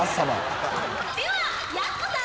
ではやす子さん。